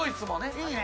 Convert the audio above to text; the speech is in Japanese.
いいね！